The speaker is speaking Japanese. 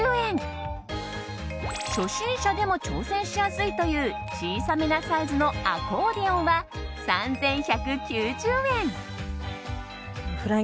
初心者でも挑戦しやすいという小さめなサイズのアコーディオンは３１９０円。